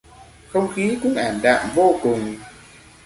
Không khí cũng ảm đạm vô cùng